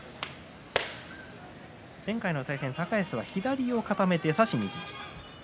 前回の対戦、高安は左を固めて差しにいきました。